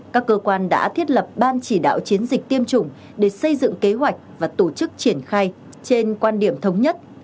các cơ quan đã thiết lập ban chỉ đạo chiến dịch tiêm chủng để xây dựng kế hoạch và tổ chức triển khai trên quan điểm thống nhất